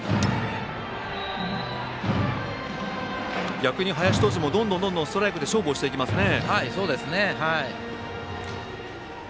逆に林投手もどんどんストライクで勝負をしてきますね。